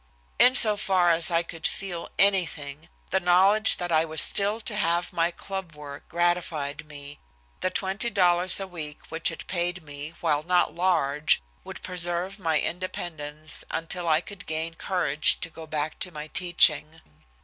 In so far as I could feel anything, the knowledge that I was still to have my club work gratified me. The twenty dollars a week which it paid me, while not large, would preserve my independence until I could gain courage to go back to my teaching.